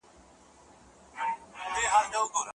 مګر د خپل مطالبو د ادا کولو د پاره په زرګونه